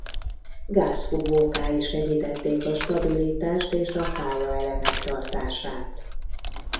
Gázfúvókái segítették a stabilitást és a pályaelemek tartását.